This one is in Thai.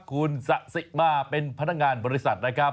คุณสะสิมาเป็นพนักงานบริษัทนะครับ